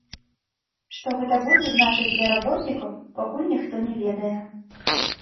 Што гэта будзе значыць для работнікаў, пакуль ніхто не ведае.